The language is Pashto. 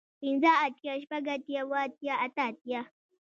پنځۀ اتيا شپږ اتيا اووه اتيا اتۀ اتيا